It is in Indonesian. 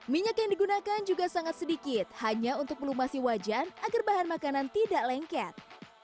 minyak yang digunakan juga sangat sedikit hanya untuk melumasi wajan agar bahan makanan tidak lengket